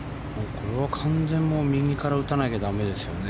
これは完全に右から打たなきゃだめですよね。